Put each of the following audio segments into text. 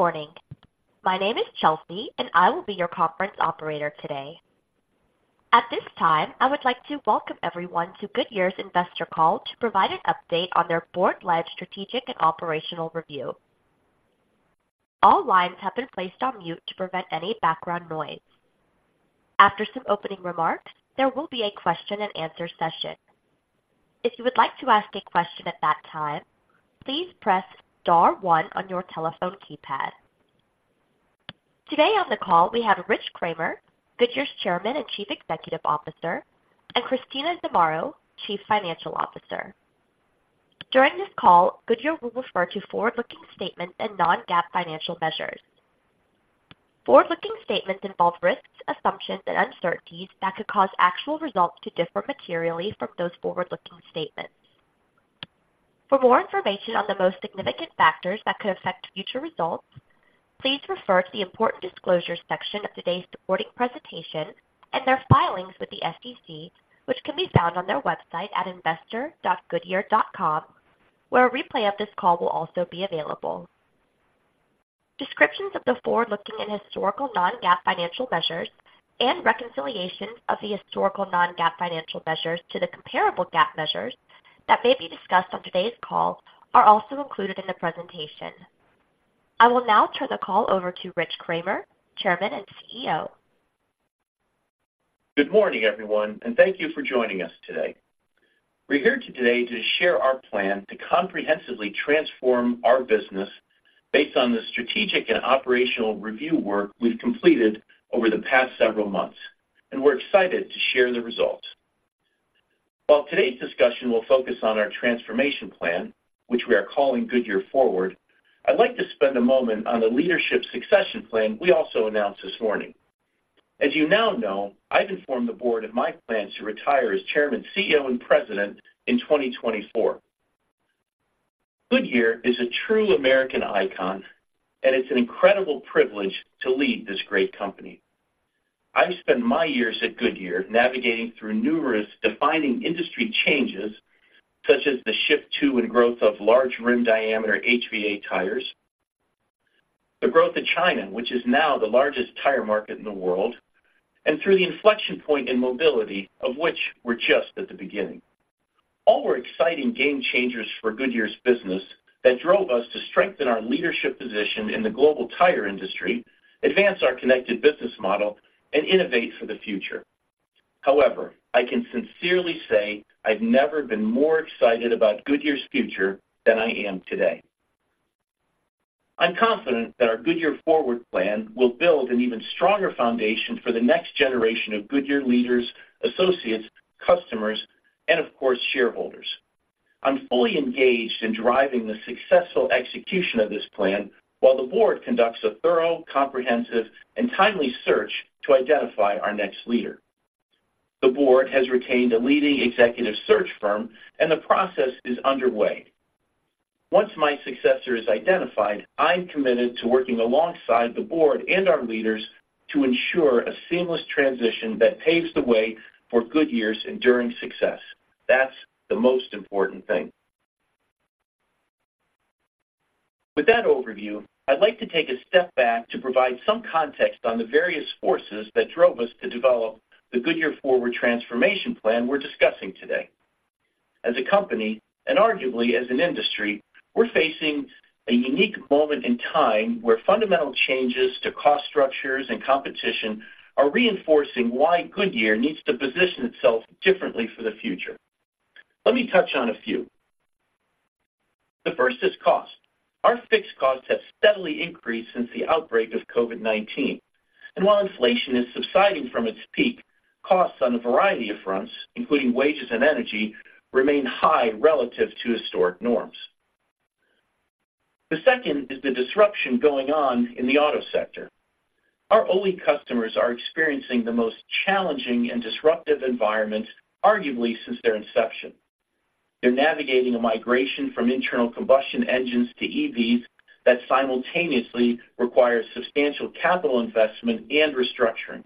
Good morning. My name is Chelsea, and I will be your conference operator today. At this time, I would like to welcome everyone to Goodyear's Investor Call to provide an update on their board-led strategic and operational review. All lines have been placed on mute to prevent any background noise. After some opening remarks, there will be a question-and-answer session. If you would like to ask a question at that time, please press star one on your telephone keypad. Today on the call, we have Rich Kramer, Goodyear's Chairman and Chief Executive Officer, and Christina Zamarro, Chief Financial Officer. During this call, Goodyear will refer to forward-looking statements and non-GAAP financial measures. Forward-looking statements involve risks, assumptions, and uncertainties that could cause actual results to differ materially from those forward-looking statements. For more information on the most significant factors that could affect future results, please refer to the Important Disclosure section of today's supporting presentation and their filings with the SEC, which can be found on their website at investor.goodyear.com, where a replay of this call will also be available. Descriptions of the forward-looking and historical non-GAAP financial measures and reconciliations of the historical non-GAAP financial measures to the comparable GAAP measures that may be discussed on today's call are also included in the presentation. I will now turn the call over to Rich Kramer, Chairman and CEO. Good morning, everyone, and thank you for joining us today. We're here today to share our plan to comprehensively transform our business based on the strategic and operational review work we've completed over the past several months, and we're excited to share the results. While today's discussion will focus on our transformation plan, which we are calling Goodyear Forward, I'd like to spend a moment on the leadership succession plan we also announced this morning. As you now know, I've informed the board of my plans to retire as chairman, CEO, and president in 2024. Goodyear is a true American icon, and it's an incredible privilege to lead this great company. I've spent my years at Goodyear navigating through numerous defining industry changes, such as the shift to and growth of large rim diameter HVA tires, the growth in China, which is now the largest tire market in the world, and through the inflection point in mobility, of which we're just at the beginning. All were exciting game changers for Goodyear's business that drove us to strengthen our leadership position in the global tire industry, advance our connected business model, and innovate for the future. However, I can sincerely say I've never been more excited about Goodyear's future than I am today. I'm confident that our Goodyear Forward plan will build an even stronger foundation for the next generation of Goodyear leaders, associates, customers, and, of course, shareholders. I'm fully engaged in driving the successful execution of this plan while the board conducts a thorough, comprehensive, and timely search to identify our next leader. The board has retained a leading executive search firm and the process is underway. Once my successor is identified, I'm committed to working alongside the board and our leaders to ensure a seamless transition that paves the way for Goodyear's enduring success. That's the most important thing. With that overview, I'd like to take a step back to provide some context on the various forces that drove us to develop the Goodyear Forward transformation plan we're discussing today. As a company, and arguably as an industry, we're facing a unique moment in time where fundamental changes to cost structures and competition are reinforcing why Goodyear needs to position itself differently for the future. Let me touch on a few. The first is cost. Our fixed costs have steadily increased since the outbreak of COVID-19, and while inflation is subsiding from its peak, costs on a variety of fronts, including wages and energy, remain high relative to historic norms. The second is the disruption going on in the auto sector. Our OE customers are experiencing the most challenging and disruptive environment, arguably since their inception. They're navigating a migration from internal combustion engines to EVs that simultaneously requires substantial capital investment and restructuring.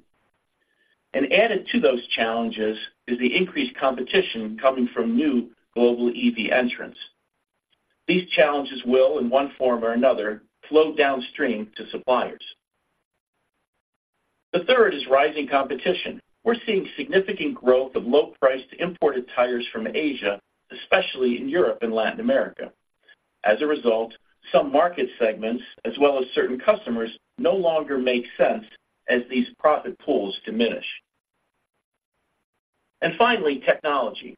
And added to those challenges is the increased competition coming from new global EV entrants. These challenges will, in one form or another, flow downstream to suppliers. The third is rising competition. We're seeing significant growth of low-priced imported tires from Asia, especially in Europe and Latin America. As a result, some market segments, as well as certain customers, no longer make sense as these profit pools diminish. And finally, technology.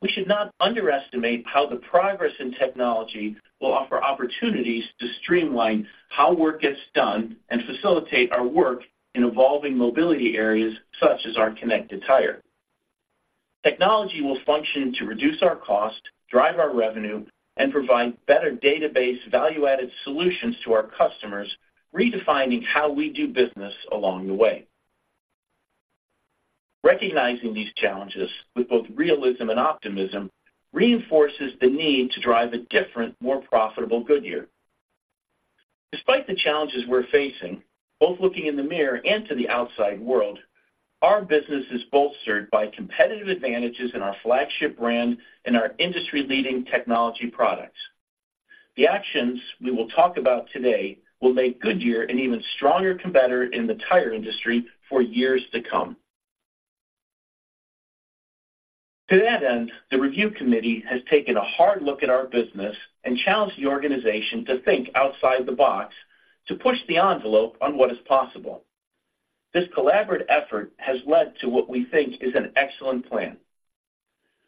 We should not underestimate how the progress in technology will offer opportunities to streamline how work gets done and facilitate our work in evolving mobility areas, such as our connected tire. Technology will function to reduce our cost, drive our revenue, and provide better data-based value-added solutions to our customers, redefining how we do business along the way. Recognizing these challenges with both realism and optimism reinforces the need to drive a different, more profitable Goodyear. Despite the challenges we're facing, both looking in the mirror and to the outside world... Our business is bolstered by competitive advantages in our flagship brand and our industry-leading technology products. The actions we will talk about today will make Goodyear an even stronger competitor in the tire industry for years to come. To that end, the review committee has taken a hard look at our business and challenged the organization to think outside the box to push the envelope on what is possible. This collaborative effort has led to what we think is an excellent plan.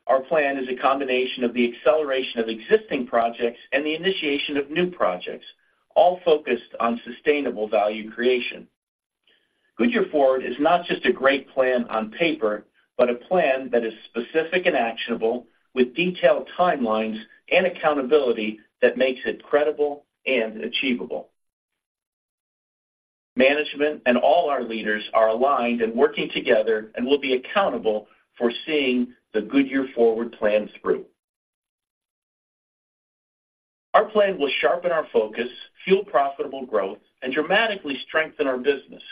Our plan is a combination of the acceleration of existing projects and the initiation of new projects, all focused on sustainable value creation. Goodyear Forward is not just a great plan on paper, but a plan that is specific and actionable, with detailed timelines and accountability that makes it credible and achievable. Management and all our leaders are aligned and working together and will be accountable for seeing the Goodyear Forward plan through. Our plan will sharpen our focus, fuel profitable growth, and dramatically strengthen our business.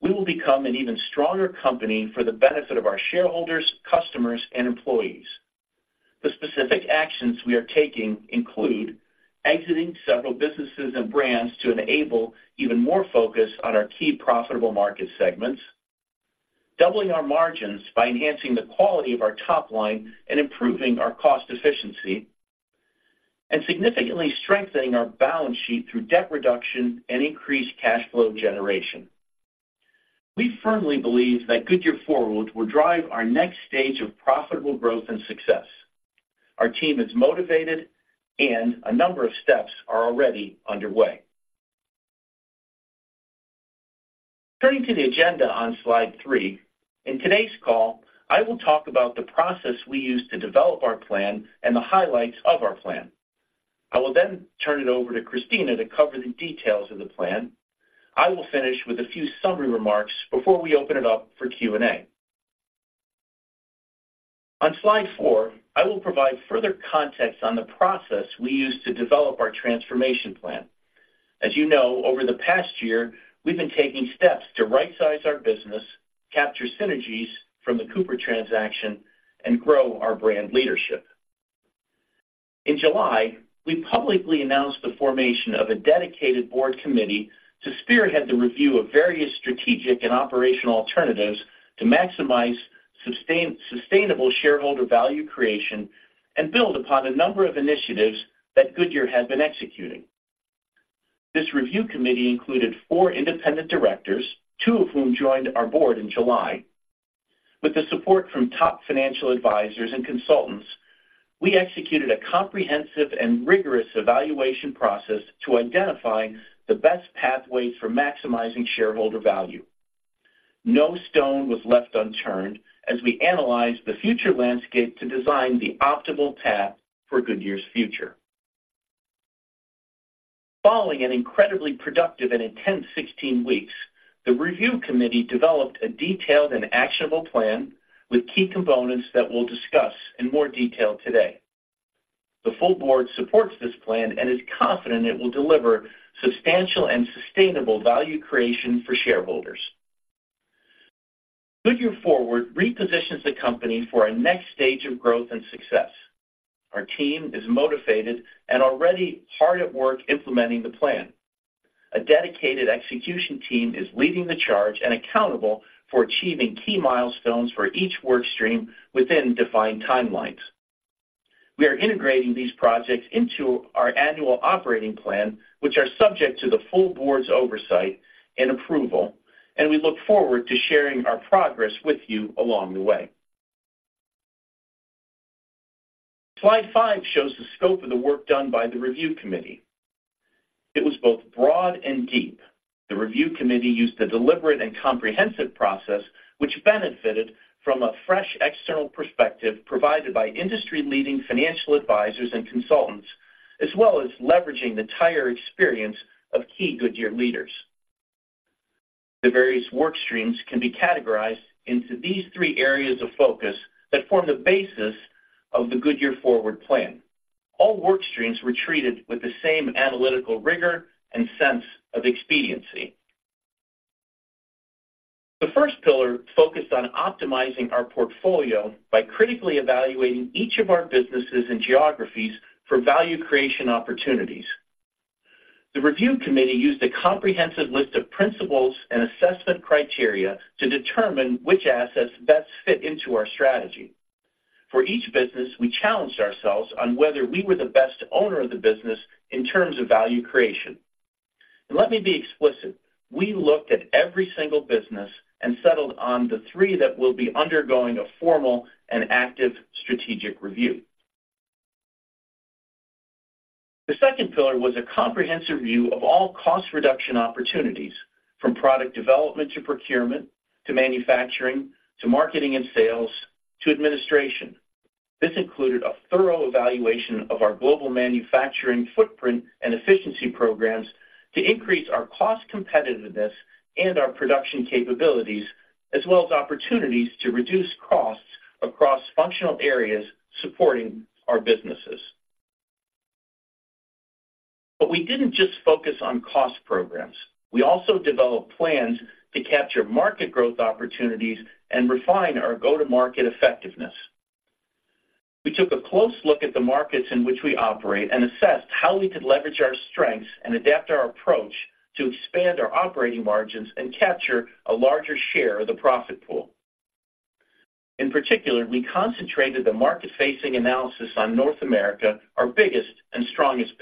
We will become an even stronger company for the benefit of our shareholders, customers, and employees. The specific actions we are taking include exiting several businesses and brands to enable even more focus on our key profitable market segments, doubling our margins by enhancing the quality of our top line and improving our cost efficiency, and significantly strengthening our balance sheet through debt reduction and increased cash flow generation. We firmly believe that Goodyear Forward will drive our next stage of profitable growth and success. Our team is motivated, and a number of steps are already underway. Turning to the agenda on slide three, in today's call, I will talk about the process we used to develop our plan and the highlights of our plan. I will then turn it over to Christina to cover the details of the plan. I will finish with a few summary remarks before we open it up for Q&A. On slide four, I will provide further context on the process we used to develop our transformation plan. As you know, over the past year, we've been taking steps to rightsize our business, capture synergies from the Cooper transaction, and grow our brand leadership. In July, we publicly announced the formation of a dedicated board committee to spearhead the review of various strategic and operational alternatives to maximize sustainable shareholder value creation and build upon a number of initiatives that Goodyear had been executing. This review committee included four independent directors, two of whom joined our board in July. With the support from top financial advisors and consultants, we executed a comprehensive and rigorous evaluation process to identify the best pathways for maximizing shareholder value. No stone was left unturned as we analyzed the future landscape to design the optimal path for Goodyear's future. Following an incredibly productive and intense 16 weeks, the review committee developed a detailed and actionable plan with key components that we'll discuss in more detail today. The full board supports this plan and is confident it will deliver substantial and sustainable value creation for shareholders. Goodyear Forward repositions the company for a next stage of growth and success. Our team is motivated and already hard at work implementing the plan. A dedicated execution team is leading the charge and accountable for achieving key milestones for each work stream within defined timelines. We are integrating these projects into our annual operating plan, which are subject to the full board's oversight and approval, and we look forward to sharing our progress with you along the way. Slide 5 shows the scope of the work done by the review committee. It was both broad and deep. The review committee used a deliberate and comprehensive process, which benefited from a fresh, external perspective provided by industry-leading financial advisors and consultants, as well as leveraging the tire experience of key Goodyear leaders. The various work streams can be categorized into these three areas of focus that form the basis of the Goodyear Forward plan. All work streams were treated with the same analytical rigor and sense of expediency. The first pillar focused on optimizing our portfolio by critically evaluating each of our businesses and geographies for value creation opportunities. The review committee used a comprehensive list of principles and assessment criteria to determine which assets best fit into our strategy. For each business, we challenged ourselves on whether we were the best owner of the business in terms of value creation. Let me be explicit, we looked at every single business and settled on the three that will be undergoing a formal and active strategic review. The second pillar was a comprehensive view of all cost reduction opportunities, from product development to procurement, to manufacturing, to marketing and sales, to administration. This included a thorough evaluation of our global manufacturing footprint and efficiency programs to increase our cost competitiveness and our production capabilities, as well as opportunities to reduce costs across functional areas supporting our businesses... We didn't just focus on cost programs. We also developed plans to capture market growth opportunities and refine our go-to-market effectiveness. We took a close look at the markets in which we operate and assessed how we could leverage our strengths and adapt our approach to expand our operating margins and capture a larger share of the profit pool. In particular, we concentrated the market-facing analysis on North America, our biggest and strongest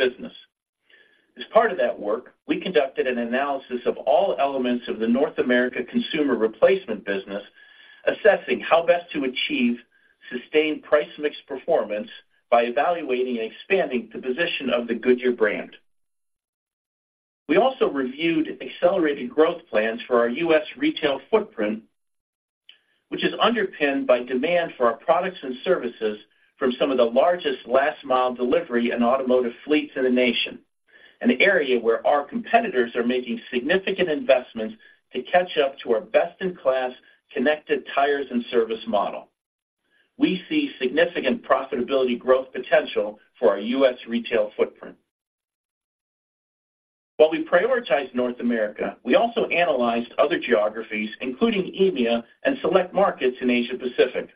business. As part of that work, we conducted an analysis of all elements of the North America consumer replacement business, assessing how best to achieve sustained price mix performance by evaluating and expanding the position of the Goodyear brand. We also reviewed accelerated growth plans for our US retail footprint, which is underpinned by demand for our products and services from some of the largest last mile delivery and automotive fleets in the nation, an area where our competitors are making significant investments to catch up to our best-in-class connected tires and service model. We see significant profitability growth potential for our US retail footprint. While we prioritized North America, we also analyzed other geographies, including EMEA and select markets in Asia Pacific,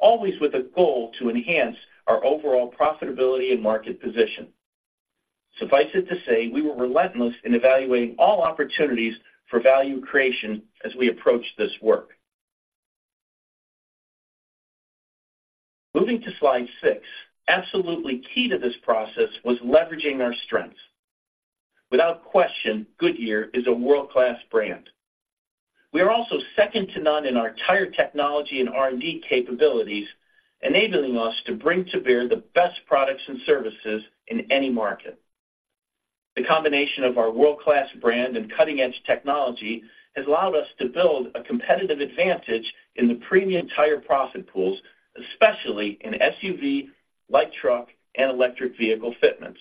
always with a goal to enhance our overall profitability and market position. Suffice it to say, we were relentless in evaluating all opportunities for value creation as we approached this work. Moving to slide 6. Absolutely key to this process was leveraging our strengths. Without question, Goodyear is a world-class brand. We are also second to none in our tire technology and R&D capabilities, enabling us to bring to bear the best products and services in any market. The combination of our world-class brand and cutting-edge technology has allowed us to build a competitive advantage in the premium tire profit pools, especially in SUV, light truck, and electric vehicle fitments.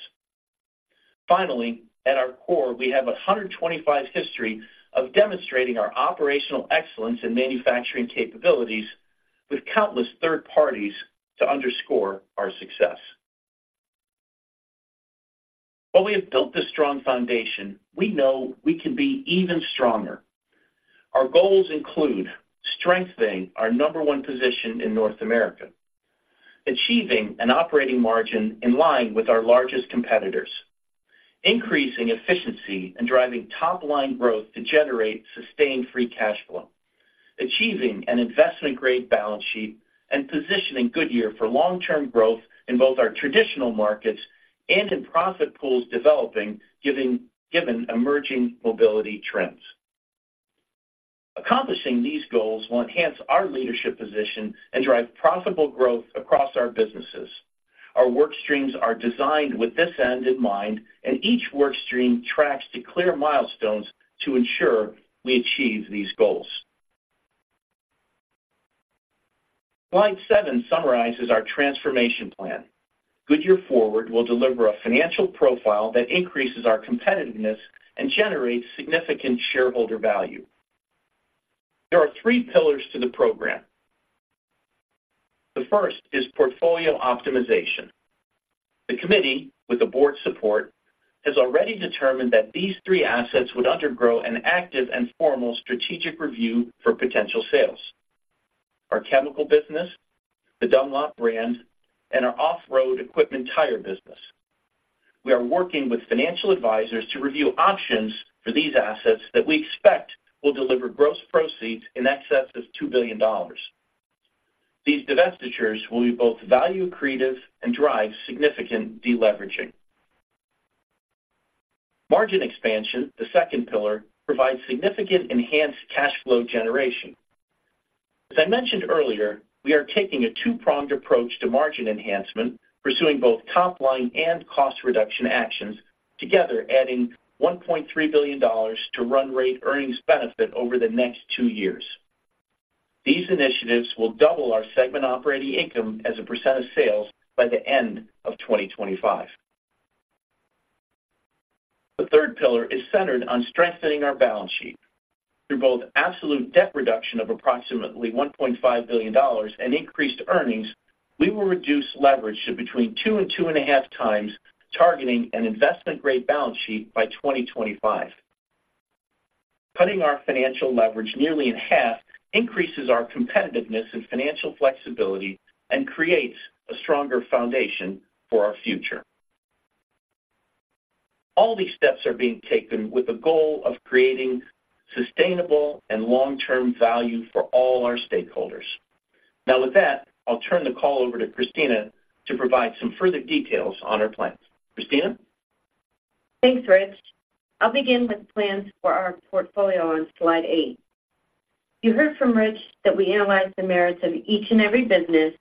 Finally, at our core, we have a 125-year history of demonstrating our operational excellence and manufacturing capabilities with countless third parties to underscore our success. While we have built this strong foundation, we know we can be even stronger. Our goals include strengthening our number one position in North America, achieving an operating margin in line with our largest competitors, increasing efficiency and driving top-line growth to generate sustained free cash flow, achieving an investment-grade balance sheet, and positioning Goodyear for long-term growth in both our traditional markets and in profit pools developing given emerging mobility trends. Accomplishing these goals will enhance our leadership position and drive profitable growth across our businesses. Our work streams are designed with this end in mind, and each work stream tracks to clear milestones to ensure we achieve these goals. Slide seven summarizes our transformation plan. Goodyear Forward will deliver a financial profile that increases our competitiveness and generates significant shareholder value. There are three pillars to the program. The first is portfolio optimization. The committee, with the board's support, has already determined that these three assets would undergo an active and formal strategic review for potential sales: our chemical business, the Dunlop brand, and our off-road equipment tire business. We are working with financial advisors to review options for these assets that we expect will deliver gross proceeds in excess of $2 billion. These divestitures will be both value accretive and drive significant deleveraging. Margin expansion, the second pillar, provides significant enhanced cash flow generation. As I mentioned earlier, we are taking a two-pronged approach to margin enhancement, pursuing both top line and cost reduction actions, together adding $1.3 billion to run rate earnings benefit over the next two years. These initiatives will double our segment operating income as a % of sales by the end of 2025. The third pillar is centered on strengthening our balance sheet. Through both absolute debt reduction of approximately $1.5 billion and increased earnings, we will reduce leverage to between two and 2.5 times, targeting an investment-grade balance sheet by 2025. Cutting our financial leverage nearly in half increases our competitiveness and financial flexibility and creates a stronger foundation for our future. All these steps are being taken with the goal of creating sustainable and long-term value for all our stakeholders. Now, with that, I'll turn the call over to Christina to provide some further details on our plans. Christina? Thanks, Rich. I'll begin with plans for our portfolio on slide eight. You heard from Rich that we analyzed the merits of each and every business,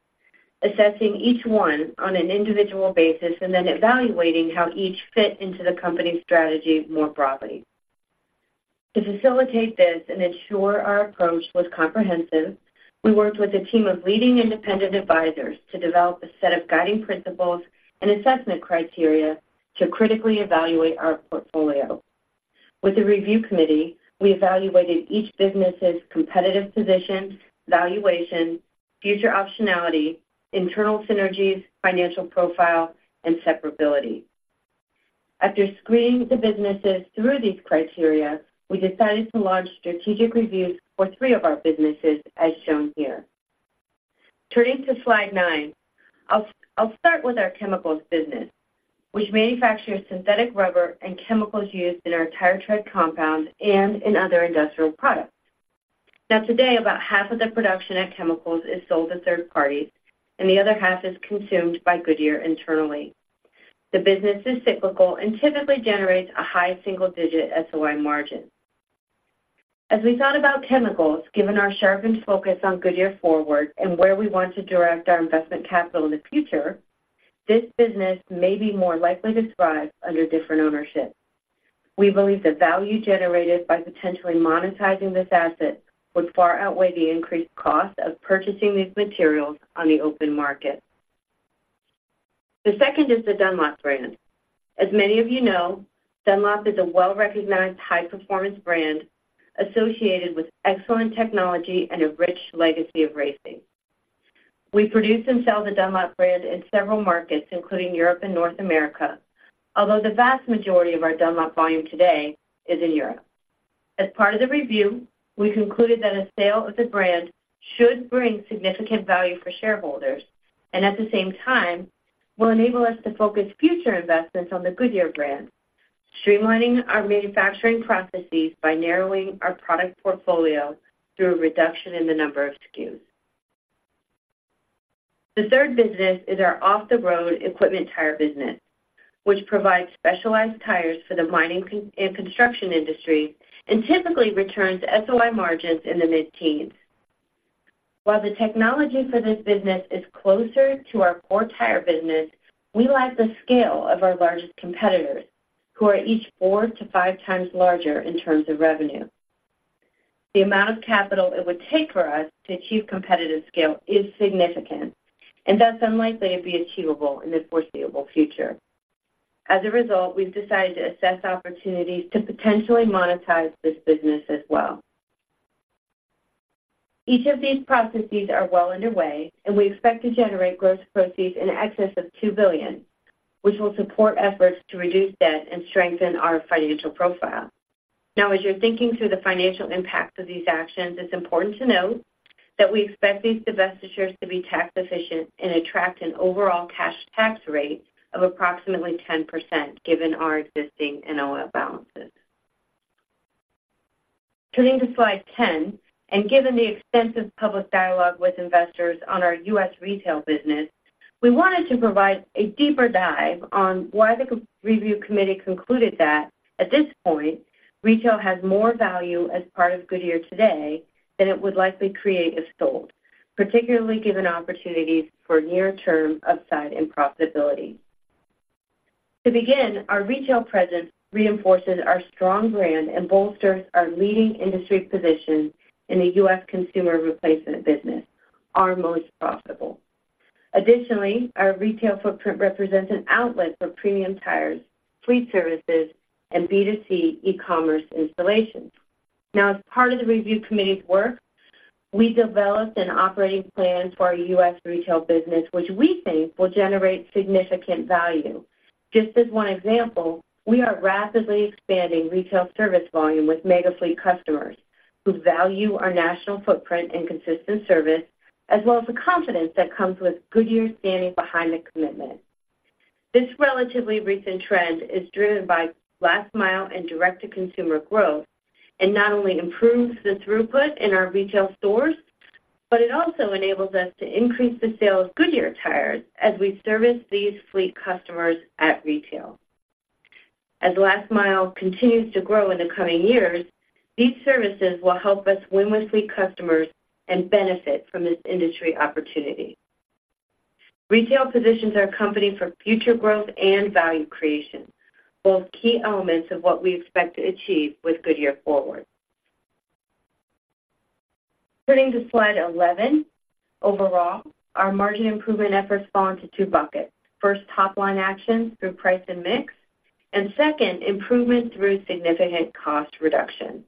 assessing each one on an individual basis, and then evaluating how each fit into the company's strategy more broadly. To facilitate this and ensure our approach was comprehensive, we worked with a team of leading independent advisors to develop a set of guiding principles and assessment criteria to critically evaluate our portfolio. With the review committee, we evaluated each business's competitive position, valuation, future optionality, internal synergies, financial profile, and separability. After screening the businesses through these criteria, we decided to launch strategic reviews for three of our businesses, as shown here. Turning to slide nine. I'll start with our chemicals business, which manufactures synthetic rubber and chemicals used in our tire tread compounds and in other industrial products. Now, today, about half of the production at Chemicals is sold to third parties, and the other half is consumed by Goodyear internally. The business is cyclical and typically generates a high single-digit SOI margin. As we thought about chemicals, given our sharpened focus on Goodyear Forward and where we want to direct our investment capital in the future, this business may be more likely to thrive under different ownership. We believe the value generated by potentially monetizing this asset would far outweigh the increased cost of purchasing these materials on the open market. The second is the Dunlop brand. As many of you know, Dunlop is a well-recognized high-performance brand associated with excellent technology and a rich legacy of racing. We produce and sell the Dunlop brand in several markets, including Europe and North America, although the vast majority of our Dunlop volume today is in Europe. As part of the review, we concluded that a sale of the brand should bring significant value for shareholders and, at the same time, will enable us to focus future investments on the Goodyear brand, streamlining our manufacturing processes by narrowing our product portfolio through a reduction in the number of SKUs. The third business is our off-the-road equipment tire business, which provides specialized tires for the mining and construction industry and typically returns SOI margins in the mid-teens. While the technology for this business is closer to our core tire business, we lack the scale of our largest competitors, who are each four to five times larger in terms of revenue. The amount of capital it would take for us to achieve competitive scale is significant and thus unlikely to be achievable in the foreseeable future. As a result, we've decided to assess opportunities to potentially monetize this business as well. Each of these processes are well underway, and we expect to generate gross proceeds in excess of $2 billion, which will support efforts to reduce debt and strengthen our financial profile. Now, as you're thinking through the financial impact of these actions, it's important to note that we expect these divestitures to be tax efficient and attract an overall cash tax rate of approximately 10%, given our existing NOL balances. Turning to slide 10, and given the extensive public dialogue with investors on our U.S. retail business, we wanted to provide a deeper dive on why the review committee concluded that, at this point, retail has more value as part of Goodyear today than it would likely create if sold, particularly given opportunities for near-term upside and profitability. To begin, our retail presence reinforces our strong brand and bolsters our leading industry position in the U.S. consumer replacement business, our most profitable. Additionally, our retail footprint represents an outlet for premium tires, fleet services, and B2C e-commerce installations. Now, as part of the review committee's work, we developed an operating plan for our U.S. retail business, which we think will generate significant value. Just as one example, we are rapidly expanding retail service volume with mega fleet customers who value our national footprint and consistent service, as well as the confidence that comes with Goodyear standing behind the commitment. This relatively recent trend is driven by last mile and direct-to-consumer growth, and not only improves the throughput in our retail stores, but it also enables us to increase the sale of Goodyear tires as we service these fleet customers at retail. As last mile continues to grow in the coming years, these services will help us win with fleet customers and benefit from this industry opportunity. Retail positions our company for future growth and value creation, both key elements of what we expect to achieve with Goodyear Forward. Turning to slide 11. Overall, our margin improvement efforts fall into two buckets. First, top-line actions through price and mix, and second, improvement through significant cost reduction.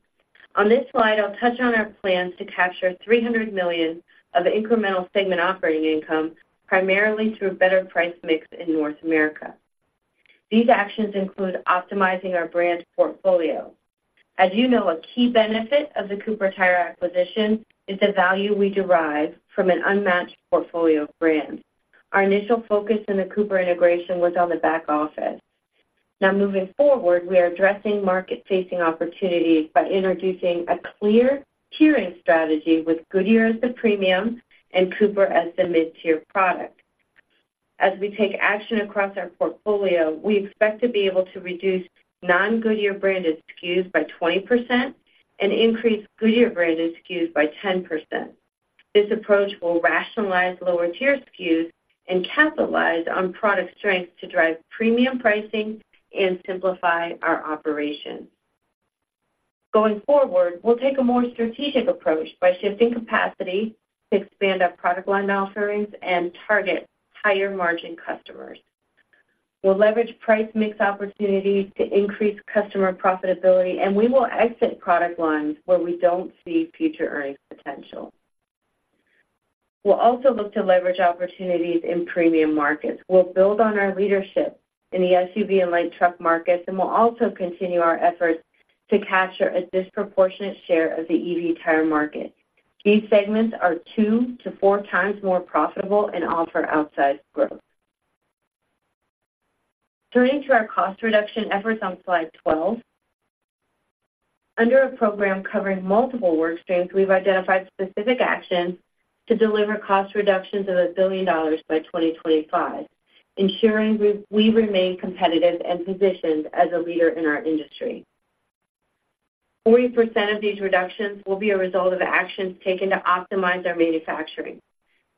On this slide, I'll touch on our plans to capture $300 million of incremental segment operating income, primarily through better price mix in North America. These actions include optimizing our brand portfolio. As you know, a key benefit of the Cooper Tire acquisition is the value we derive from an unmatched portfolio of brands. Our initial focus in the Cooper integration was on the back office. Now, moving forward, we are addressing market-facing opportunities by introducing a clear tiering strategy with Goodyear as the premium and Cooper as the mid-tier product. As we take action across our portfolio, we expect to be able to reduce non-Goodyear branded SKUs by 20% and increase Goodyear branded SKUs by 10%. This approach will rationalize lower-tier SKUs and capitalize on product strength to drive premium pricing and simplify our operations. Going forward, we'll take a more strategic approach by shifting capacity to expand our product line offerings and target higher-margin customers. We'll leverage price mix opportunities to increase customer profitability, and we will exit product lines where we don't see future earnings potential. We'll also look to leverage opportunities in premium markets. We'll build on our leadership in the SUV and light truck markets, and we'll also continue our efforts to capture a disproportionate share of the EV tire market. These segments are 2-4 times more profitable and offer outsized growth. Turning to our cost reduction efforts on slide 12. Under a program covering multiple work streams, we've identified specific actions to deliver cost reductions of $1 billion by 2025, ensuring we remain competitive and positioned as a leader in our industry. 40% of these reductions will be a result of actions taken to optimize our manufacturing.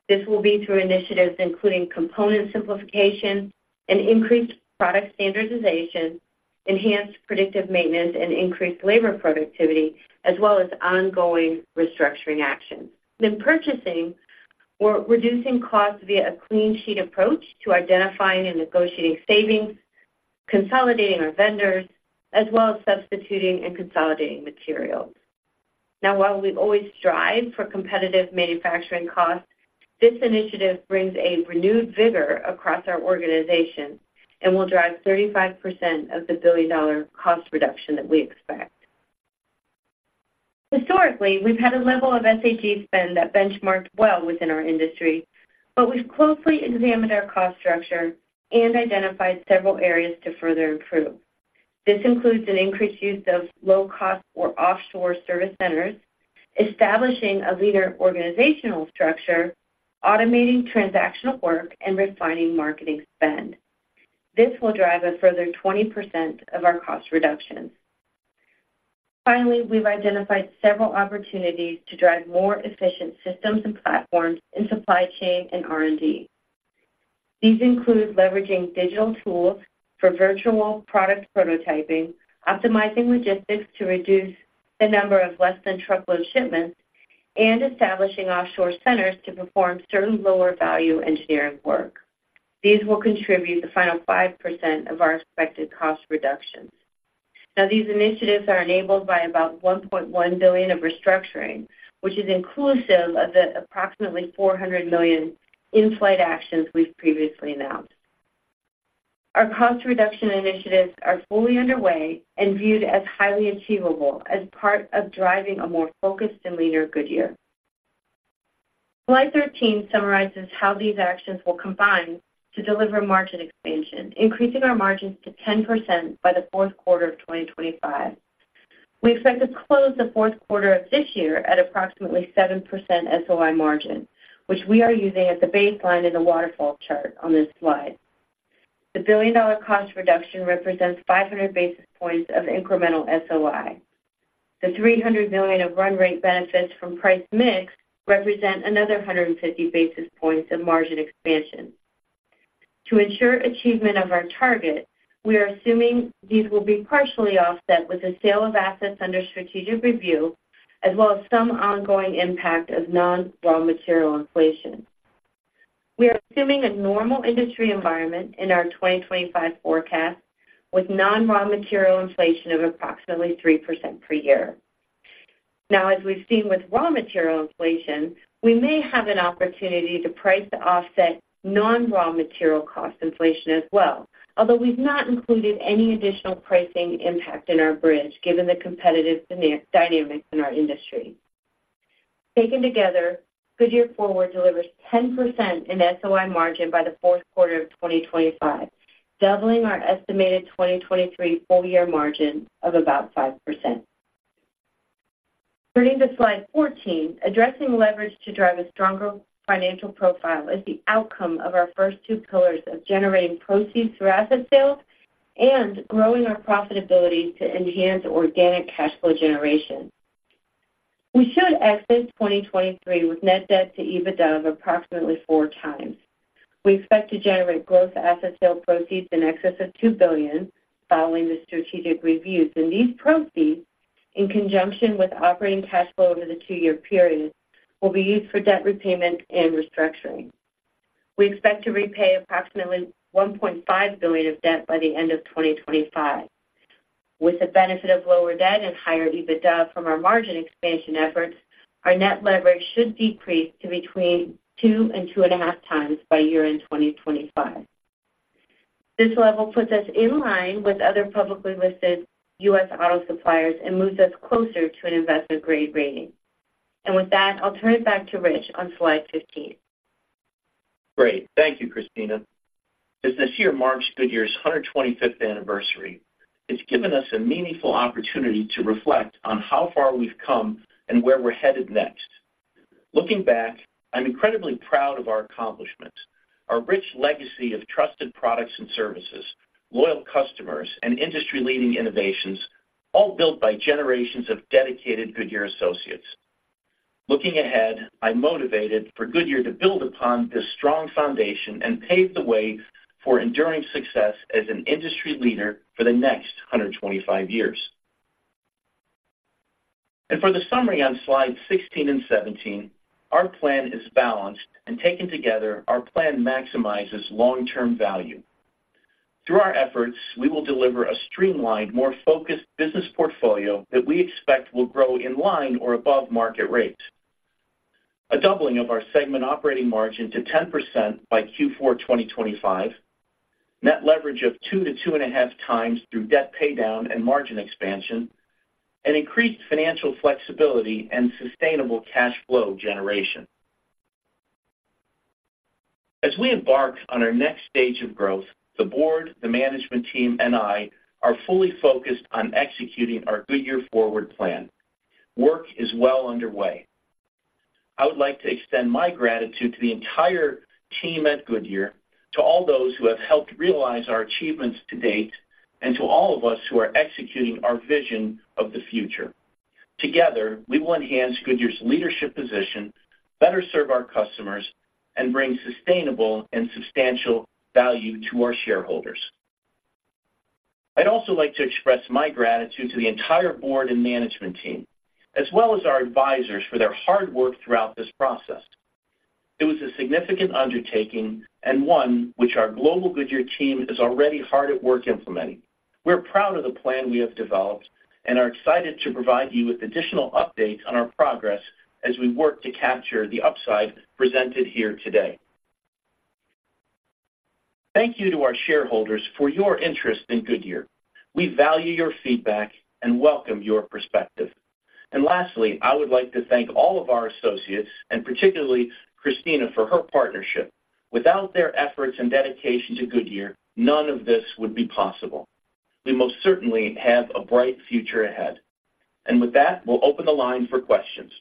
This will be through initiatives including component simplification and increased product standardization, enhanced predictive maintenance, and increased labor productivity, as well as ongoing restructuring actions. Then purchasing, we're reducing costs via a clean sheet approach to identifying and negotiating savings, consolidating our vendors, as well as substituting and consolidating materials. Now, while we've always strived for competitive manufacturing costs, this initiative brings a renewed vigor across our organization and will drive 35% of the billion-dollar cost reduction that we expect. Historically, we've had a level of SAG spend that benchmarked well within our industry, but we've closely examined our cost structure and identified several areas to further improve. This includes an increased use of low-cost or offshore service centers, establishing a leaner organizational structure, automating transactional work, and refining marketing spend. This will drive a further 20% of our cost reductions. Finally, we've identified several opportunities to drive more efficient systems and platforms in supply chain and R&D. These include leveraging digital tools for virtual product prototyping, optimizing logistics to reduce the number of less-than-truckload shipments, and establishing offshore centers to perform certain lower-value engineering work. These will contribute the final 5% of our expected cost reductions. Now, these initiatives are enabled by about $1.1 billion of restructuring, which is inclusive of the approximately $400 million in-flight actions we've previously announced. Our cost reduction initiatives are fully underway and viewed as highly achievable as part of driving a more focused and leaner Goodyear. Slide 13 summarizes how these actions will combine to deliver margin expansion, increasing our margins to 10% by the fourth quarter of 2025. We expect to close the fourth quarter of this year at approximately 7% SOI margin, which we are using as the baseline in the waterfall chart on this slide. The billion-dollar cost reduction represents 500 basis points of incremental SOI. The $300 million of run rate benefits from price mix represent another 150 basis points of margin expansion. To ensure achievement of our target, we are assuming these will be partially offset with the sale of assets under strategic review, as well as some ongoing impact of non-raw material inflation. We are assuming a normal industry environment in our 2025 forecast, with non-raw material inflation of approximately 3% per year. Now, as we've seen with raw material inflation, we may have an opportunity to price to offset non-raw material cost inflation as well, although we've not included any additional pricing impact in our bridge, given the competitive dynamics in our industry. Taken together, Goodyear Forward delivers 10% in SOI margin by the fourth quarter of 2025, doubling our estimated 2023 full year margin of about 5%. Turning to slide 14, addressing leverage to drive a stronger financial profile is the outcome of our first two pillars of generating proceeds through asset sales and growing our profitability to enhance organic cash flow generation. We should exit 2023 with net debt to EBITDA of approximately 4x. We expect to generate gross asset sale proceeds in excess of $2 billion following the strategic reviews, and these proceeds, in conjunction with operating cash flow over the two-year period, will be used for debt repayment and restructuring. We expect to repay approximately $1.5 billion of debt by the end of 2025. With the benefit of lower debt and higher EBITDA from our margin expansion efforts, our net leverage should decrease to between two and 2.5 times by year-end 2025. This level puts us in line with other publicly listed U.S. auto suppliers and moves us closer to an investment-grade rating. With that, I'll turn it back to Rich on slide 15. Great. Thank you, Christina. As this year marks Goodyear's 125th anniversary, it's given us a meaningful opportunity to reflect on how far we've come and where we're headed next. Looking back, I'm incredibly proud of our accomplishments, our rich legacy of trusted products and services, loyal customers, and industry-leading innovations, all built by generations of dedicated Goodyear associates.... Looking ahead, I'm motivated for Goodyear to build upon this strong foundation and pave the way for enduring success as an industry leader for the next 125 years. And for the summary on slide 16 and 17, our plan is balanced, and taken together, our plan maximizes long-term value. Through our efforts, we will deliver a streamlined, more focused business portfolio that we expect will grow in line or above market rates. A doubling of our segment operating margin to 10% by Q4 2025, net leverage of 2-2.5 times through debt paydown and margin expansion, and increased financial flexibility and sustainable cash flow generation. As we embark on our next stage of growth, the board, the management team, and I are fully focused on executing our Goodyear Forward plan. Work is well underway. I would like to extend my gratitude to the entire team at Goodyear, to all those who have helped realize our achievements to date, and to all of us who are executing our vision of the future. Together, we will enhance Goodyear's leadership position, better serve our customers, and bring sustainable and substantial value to our shareholders. I'd also like to express my gratitude to the entire board and management team, as well as our advisors, for their hard work throughout this process. It was a significant undertaking and one which our global Goodyear team is already hard at work implementing. We're proud of the plan we have developed and are excited to provide you with additional updates on our progress as we work to capture the upside presented here today. Thank you to our shareholders for your interest in Goodyear. We value your feedback and welcome your perspective. And lastly, I would like to thank all of our associates, and particularly Christina, for her partnership. Without their efforts and dedication to Goodyear, none of this would be possible. We most certainly have a bright future ahead. And with that, we'll open the line for questions.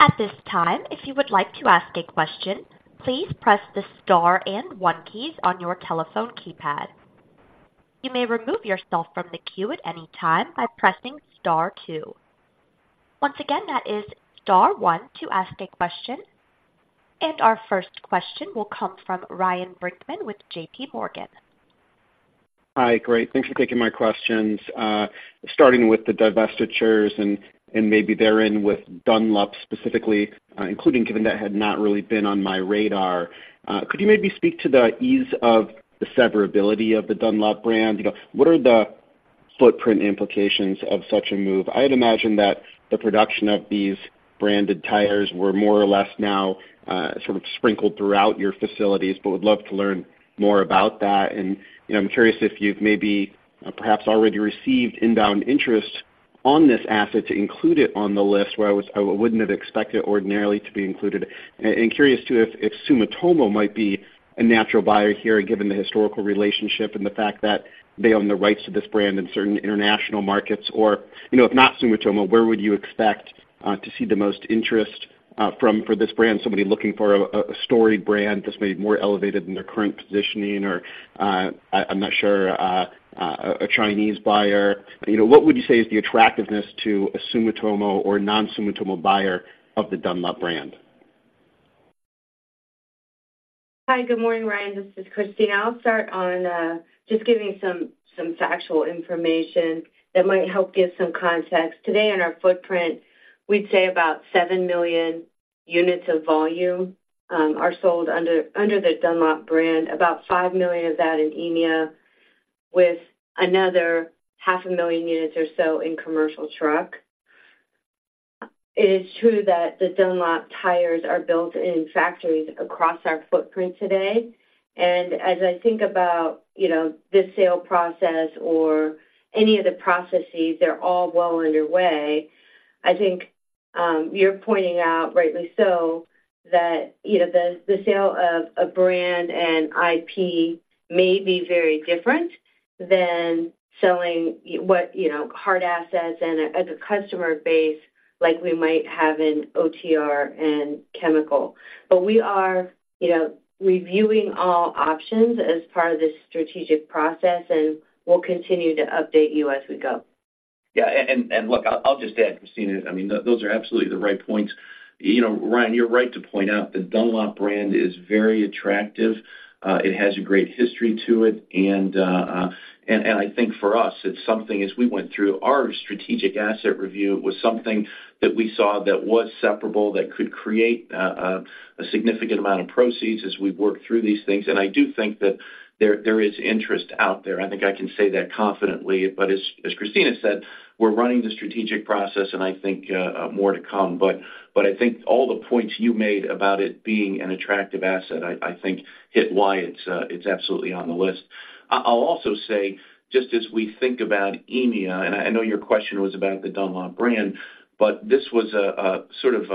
At this time, if you would like to ask a question, please press the star and one keys on your telephone keypad. You may remove yourself from the queue at any time by pressing star two. Once again, that is star one to ask a question. Our first question will come from Ryan Brinkman with J.P. Morgan. Hi, great. Thanks for taking my questions. Starting with the divestitures and, and maybe therein with Dunlop specifically, including given that had not really been on my radar, could you maybe speak to the ease of the severability of the Dunlop brand? You know, what are the footprint implications of such a move? I'd imagine that the production of these branded tires were more or less now sort of sprinkled throughout your facilities, but would love to learn more about that. And I'm curious if you've maybe perhaps already received inbound interest on this asset to include it on the list, where I was- I wouldn't have expected it ordinarily to be included. Curious, too, if Sumitomo might be a natural buyer here, given the historical relationship and the fact that they own the rights to this brand in certain international markets, or, you know, if not Sumitomo, where would you expect to see the most interest from for this brand? Somebody looking for a storied brand that's maybe more elevated than their current positioning or, I'm not sure, a Chinese buyer. You know, what would you say is the attractiveness to a Sumitomo or non-Sumitomo buyer of the Dunlop brand? Hi, good morning, Ryan. This is Christina. I'll start on just giving some factual information that might help give some context. Today, in our footprint, we'd say about seven million units of volume are sold under the Dunlop brand. About five million of that in EMEA, with another 500,000 units or so in commercial truck. It is true that the Dunlop tires are built in factories across our footprint today, and as I think about, you know, the sale process or any of the processes, they're all well underway. I think, you're pointing out, rightly so, that, you know, the, the sale of a brand and IP may be very different than selling what, you know, hard assets and a customer base like we might have in OTR and chemical. We are, you know, reviewing all options as part of this strategic process, and we'll continue to update you as we go. Yeah, and look, I'll just add, Christina, I mean, those are absolutely the right points. You know, Ryan, you're right to point out the Dunlop brand is very attractive. It has a great history to it, and I think for us, it's something as we went through our strategic asset review, it was something that we saw that was separable, that could create a significant amount of proceeds as we work through these things. And I do think that there is interest out there. I think I can say that confidently. But as Christina said, we're running the strategic process and I think more to come. But I think all the points you made about it being an attractive asset, I think hit why it's absolutely on the list. I'll also say, just as we think about EMEA, and I know your question was about the Dunlop brand, but this was a sort of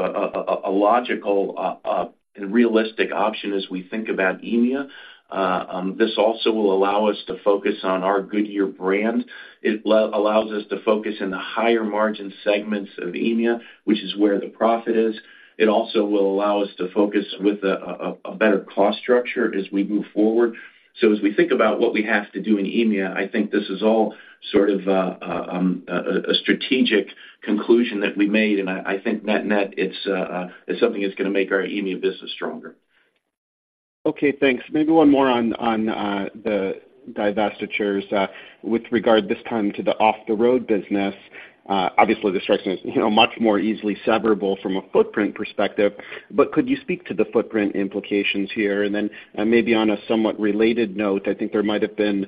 a logical and realistic option as we think about EMEA. This also will allow us to focus on our Goodyear brand. It allows us to focus in the higher margin segments of EMEA, which is where the profit is. It also will allow us to focus with a better cost structure as we move forward. So as we think about what we have to do in EMEA, I think this is all sort of a strategic conclusion that we made, and I think net, net, it's something that's going to make our EMEA business stronger. ... Okay, thanks. Maybe one more on the divestitures with regard this time to the off the road business. Obviously, this strikes me as, you know, much more easily severable from a footprint perspective, but could you speak to the footprint implications here? And then, maybe on a somewhat related note, I think there might have been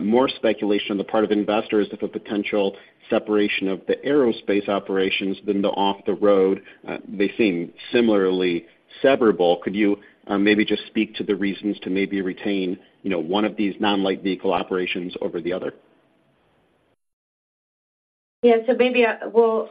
more speculation on the part of investors of a potential separation of the aerospace operations than the off the road. They seem similarly severable. Could you maybe just speak to the reasons to maybe retain, you know, one of these non-light vehicle operations over the other? Yeah. So maybe we'll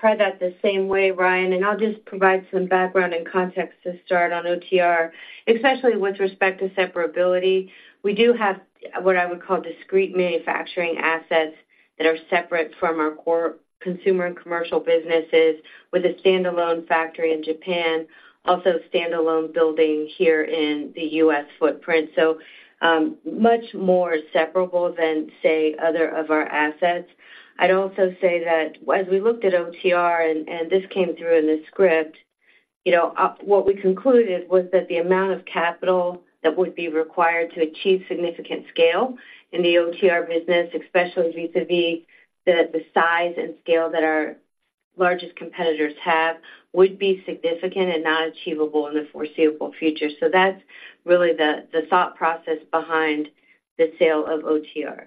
try that the same way, Ryan, and I'll just provide some background and context to start on OTR, especially with respect to separability. We do have what I would call discrete manufacturing assets that are separate from our core consumer and commercial businesses, with a standalone factory in Japan, also a standalone building here in the US footprint. So, much more separable than, say, other of our assets. I'd also say that as we looked at OTR, and this came through in the script, you know, what we concluded was that the amount of capital that would be required to achieve significant scale in the OTR business, especially vis-a-vis the size and scale that our largest competitors have, would be significant and not achievable in the foreseeable future. So that's really the thought process behind the sale of OTR.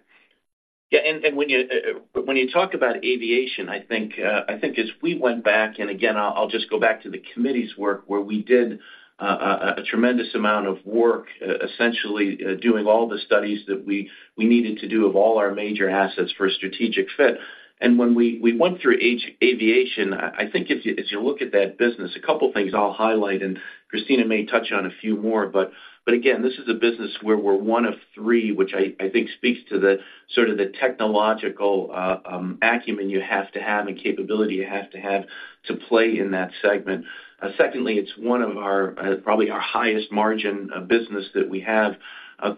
Yeah, and, and when you, when you talk about aviation, I think, I think as we went back, and again, I'll, I'll just go back to the committee's work, where we did a tremendous amount of work, essentially doing all the studies that we needed to do of all our major assets for a strategic fit. And when we went through aviation, I think as you look at that business, a couple things I'll highlight, and Christina may touch on a few more. But again, this is a business where we're one of three, which I think speaks to the sort of the technological acumen you have to have and capability you have to have to play in that segment. Secondly, it's one of our, probably our highest margin of business that we have.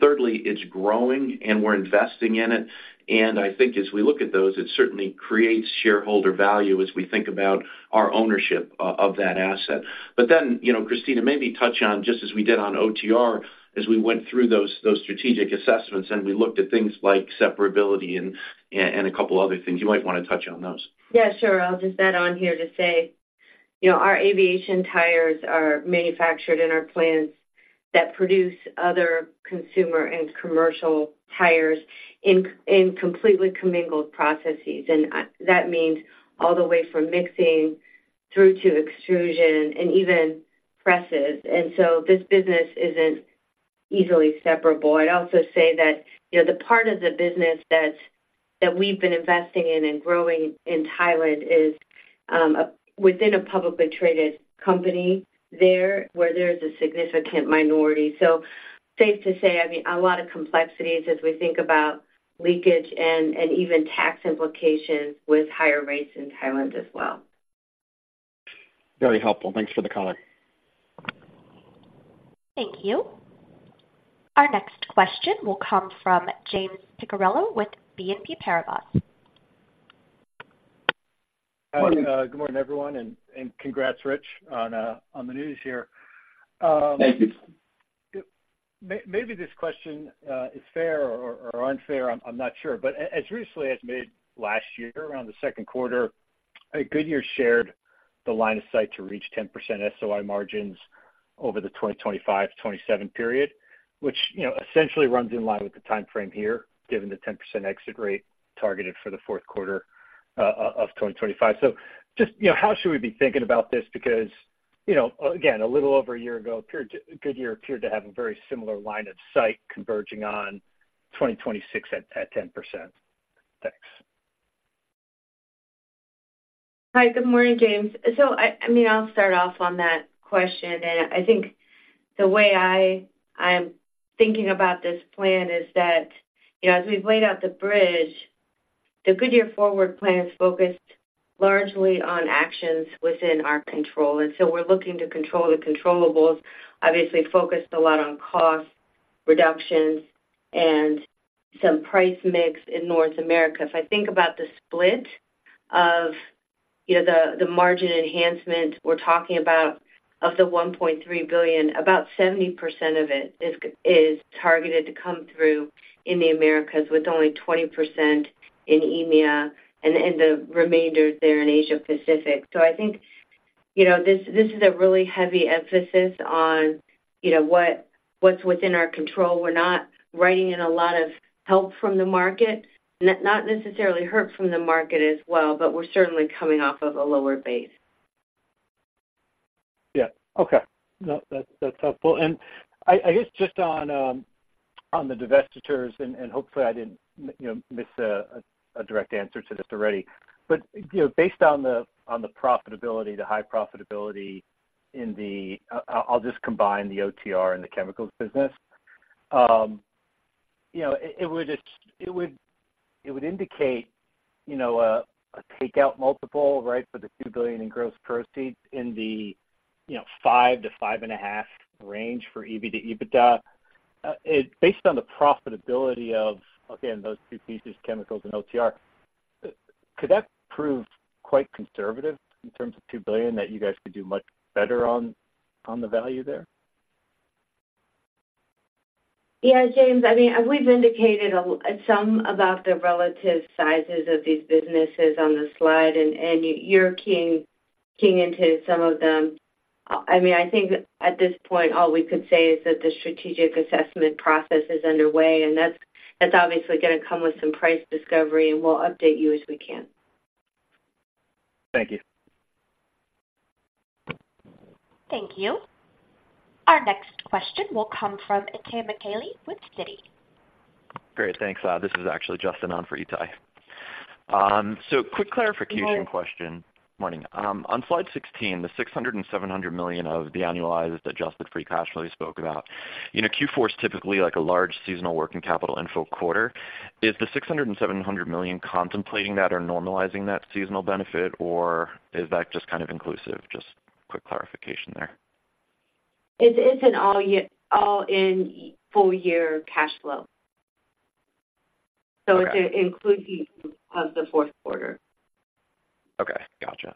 Thirdly, it's growing, and we're investing in it. And I think as we look at those, it certainly creates shareholder value as we think about our ownership of that asset. But then, you know, Christina, maybe touch on, just as we did on OTR, as we went through those strategic assessments, and we looked at things like separability and a couple other things. You might wanna touch on those. Yeah, sure. I'll just add on here to say, you know, our aviation tires are manufactured in our plants that produce other consumer and commercial tires in completely commingled processes. That means all the way from mixing through to extrusion and even presses. So this business isn't easily separable. I'd also say that, you know, the part of the business that we've been investing in and growing in Thailand is within a publicly traded company there, where there is a significant minority. So safe to say, I mean, a lot of complexities as we think about leakage and even tax implications with higher rates in Thailand as well. Very helpful. Thanks for the color. Thank you. Our next question will come from James Picariello with BNP Paribas. Hi. Good morning, everyone, and congrats, Rich, on the news here. Thank you. Maybe this question is fair or unfair, I'm not sure. But as recently as maybe last year, around the second quarter, Goodyear shared the line of sight to reach 10% SOI margins over the 2025 to 2027 period, which, you know, essentially runs in line with the timeframe here, given the 10% exit rate targeted for the fourth quarter of 2025. So just, you know, how should we be thinking about this? Because, you know, again, a little over a year ago, Goodyear appeared to have a very similar line of sight converging on 2026 at 10%. Thanks. Hi. Good morning, James. So I mean, I'll start off on that question, and I think the way I'm thinking about this plan is that, you know, as we've laid out the bridge, the Goodyear Forward plan is focused largely on actions within our control, and so we're looking to control the controllables, obviously focused a lot on cost reductions and some price mix in North America. If I think about the split of, you know, the margin enhancement, we're talking about of the $1.3 billion, about 70% of it is targeted to come through in the Americas, with only 20% in EMEA and the remainder there in Asia Pacific. So I think, you know, this is a really heavy emphasis on, you know, what's within our control. We're not writing in a lot of help from the market, not necessarily hurt from the market as well, but we're certainly coming off of a lower base. Yeah. Okay. No, that's, that's helpful. And I guess just on the divestitures, and hopefully I didn't, you know, miss a direct answer to this already. But, you know, based on the profitability, the high profitability in the... I'll just combine the OTR and the chemicals business. You know, it would just indicate, you know, a takeout multiple, right, for the $2 billion in gross proceeds in the 5-5.5 range for EBITDA. Based on the profitability of, again, those two pieces, chemicals and OTR?... Could that prove quite conservative in terms of $2 billion, that you guys could do much better on, on the value there? Yeah, James, I mean, we've indicated some about the relative sizes of these businesses on the slide, and you're keying into some of them. I mean, I think at this point, all we could say is that the strategic assessment process is underway, and that's obviously gonna come with some price discovery, and we'll update you as we can. Thank you. Thank you. Our next question will come from Itay Michaeli with Citi. Great, thanks. This is actually Justin on for Itay. So quick clarification question. Good morning. Morning. On slide 16, the $600 million-$700 million of the annualized adjusted free cash flow you spoke about. You know, Q4 is typically like a large seasonal working capital inflow quarter. Is the $600 million-$700 million contemplating that or normalizing that seasonal benefit, or is that just kind of inclusive? Just quick clarification there. It's an all-year all-in full-year cash flow. Okay. It includes of the fourth quarter. Okay, gotcha.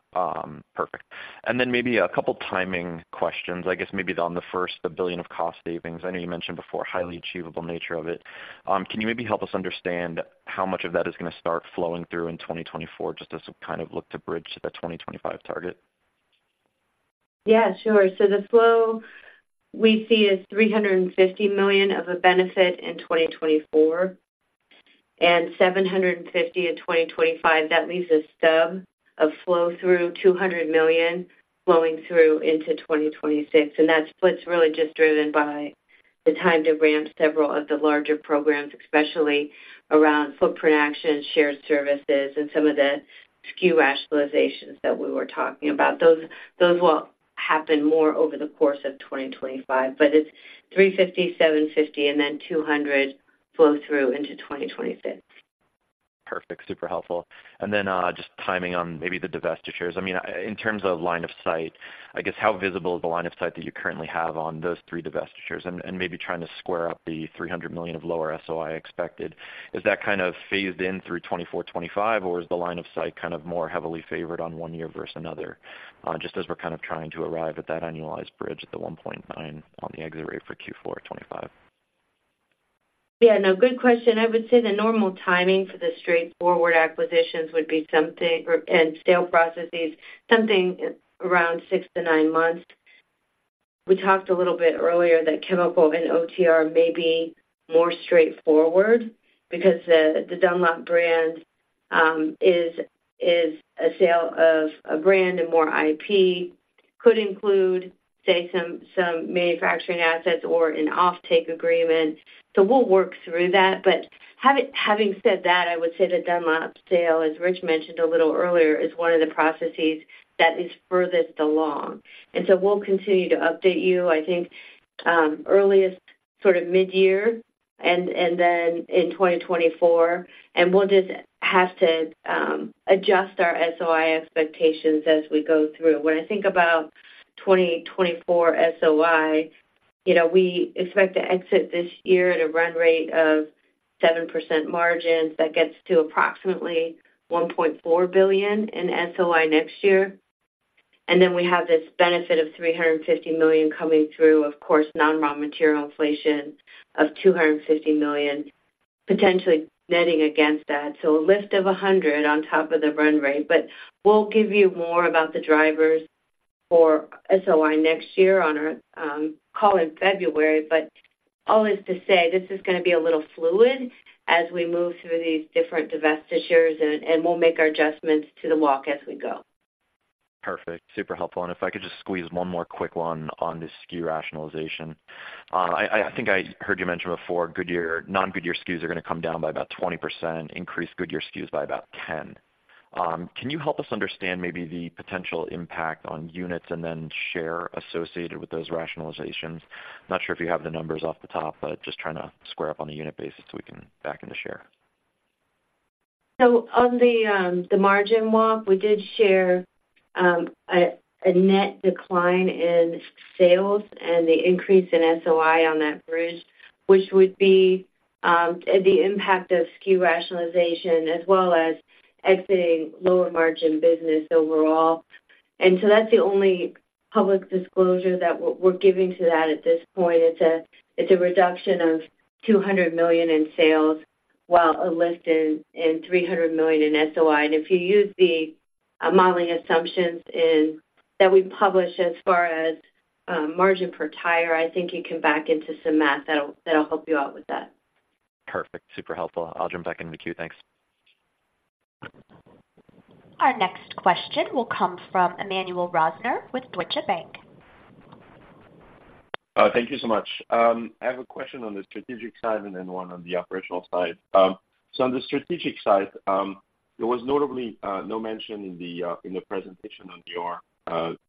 Perfect. And then maybe a couple timing questions. I guess maybe on the first, $1 billion of cost savings. I know you mentioned before, highly achievable nature of it. Can you maybe help us understand how much of that is gonna start flowing through in 2024, just as we kind of look to bridge to the 2025 target? Yeah, sure. So the flow we see is $350 million of a benefit in 2024, and $750 million in 2025. That leaves a stub of flow through $200 million flowing through into 2026, and that split's really just driven by the time to ramp several of the larger programs, especially around footprint action, shared services and some of the SKU rationalizations that we were talking about. Those, those will happen more over the course of 2025, but it's $350 million, $750 million and then $200 million flow through into 2026. Perfect. Super helpful. Then, just timing on maybe the divestitures. I mean, in terms of line of sight, I guess, how visible is the line of sight that you currently have on those three divestitures? And maybe trying to square up the $300 million of lower SOI expected. Is that kind of phased in through 2024, 2025, or is the line of sight kind of more heavily favored on one year versus another? Just as we're kind of trying to arrive at that annualized bridge at the 1.9 on the exit rate for Q4 2025. Yeah, no, good question. I would say the normal timing for the straightforward acquisitions would be something, or, and sale processes, something around six to nine months. We talked a little bit earlier that Chemical and OTR may be more straightforward because the Dunlop brand is a sale of a brand and more IP. Could include, say, some manufacturing assets or an offtake agreement. So we'll work through that. But having said that, I would say the Dunlop sale, as Rich mentioned a little earlier, is one of the processes that is furthest along. And so we'll continue to update you, I think, earliest sort of mid-year and then in 2024, and we'll just have to adjust our SOI expectations as we go through. When I think about 2024 SOI, you know, we expect to exit this year at a run rate of 7% margins. That gets to approximately $1.4 billion in SOI next year. And then we have this benefit of $350 million coming through, of course, non-raw material inflation of $250 million, potentially netting against that. So a lift of $100 million on top of the run rate. But we'll give you more about the drivers for SOI next year on our call in February. But all is to say, this is gonna be a little fluid as we move through these different divestitures, and we'll make our adjustments to the walk as we go. Perfect. Super helpful. If I could just squeeze one more quick one on the SKU rationalization. I think I heard you mention before, Goodyear, non-Goodyear SKUs are gonna come down by about 20%, increase Goodyear SKUs by about 10%. Can you help us understand maybe the potential impact on units and then share associated with those rationalizations? Not sure if you have the numbers off the top, but just trying to square up on a unit basis so we can back into share. So on the margin walk, we did share a net decline in sales and the increase in SOI on that bridge, which would be the impact of SKU rationalization as well as exiting lower margin business overall. That's the only public disclosure that we're giving to that at this point. It's a reduction of $200 million in sales, while a lift in $300 million in SOI. If you use the modeling assumptions that we publish as far as margin per tire, I think you can back into some math that'll help you out with that. Perfect. Super helpful. I'll jump back in the queue. Thanks. Our next question will come from Emmanuel Rosner with Deutsche Bank. Thank you so much. I have a question on the strategic side and then one on the operational side. So on the strategic side, there was notably no mention in the presentation on your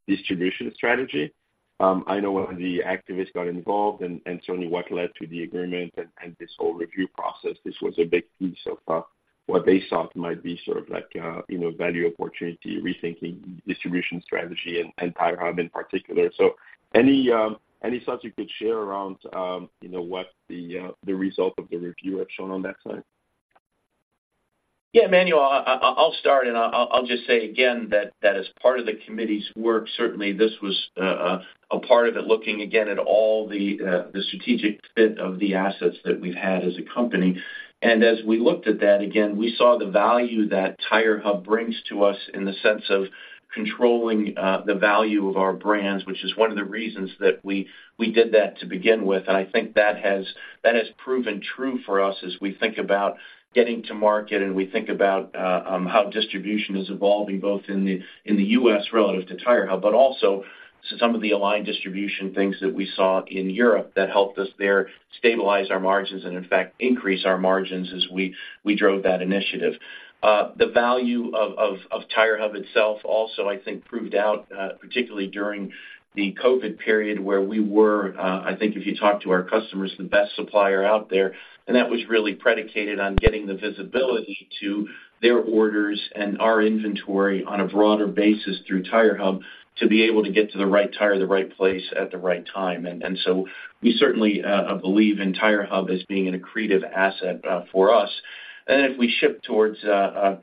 distribution strategy. I know one of the activists got involved and certainly what led to the agreement and this whole review process, this was a big piece of what they thought might be sort of like, you know, value opportunity, rethinking distribution strategy and TireHub in particular. So any thoughts you could share around, you know, what the result of the review have shown on that side?... Yeah, Emmanuel, I'll start, and I'll just say again that as part of the committee's work, certainly this was a part of it, looking again at all the strategic fit of the assets that we've had as a company. And as we looked at that again, we saw the value that TireHub brings to us in the sense of controlling the value of our brands, which is one of the reasons that we did that to begin with. I think that has proven true for us as we think about getting to market and we think about how distribution is evolving, both in the US relative to TireHub, but also to some of the aligned distribution things that we saw in Europe that helped us there stabilize our margins and, in fact, increase our margins as we drove that initiative. The value of TireHub itself also, I think, proved out, particularly during the COVID period, where we were, I think if you talk to our customers, the best supplier out there, and that was really predicated on getting the visibility to their orders and our inventory on a broader basis through TireHub to be able to get to the right tire in the right place at the right time. So we certainly believe in TireHub as being an accretive asset for us. And then if we shift towards retail,